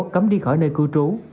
cấm đi khỏi nơi cư trú